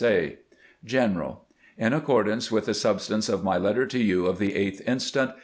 A. General : In accordance with the substance of my letter to you of the 8th inst.